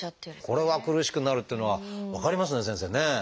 これは苦しくなるっていうのは分かりますね先生ねえ！